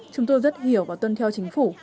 chúng tôi rất hiểu và tuân theo chính phủ